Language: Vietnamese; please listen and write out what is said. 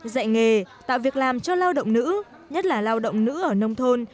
dạy nghề tạo việc làm cho lao động nữ nhất là lao động nữ ở nông thôn